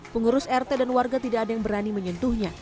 pengurus rt dan warga tidak ada yang berani menyentuhnya